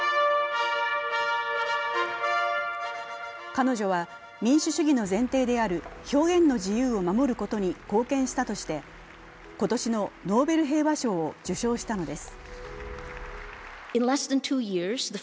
彼女は民主主義の前提である表現の自由を守ることに貢献したとして、今年のノーベル平和賞を受賞したのです。